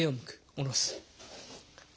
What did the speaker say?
下ろす。